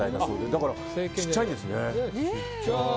だから、小さいんですね。